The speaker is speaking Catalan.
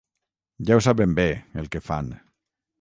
Ja ho saben bé el que fan.